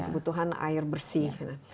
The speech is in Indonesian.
kebutuhan air bersih